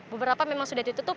beberapa memang sudah ditutup